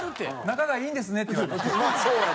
「仲がいいんですね」って言われました。